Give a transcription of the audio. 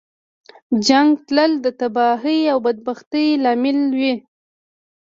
جنګ تل د تباهۍ او بدبختۍ لامل وي.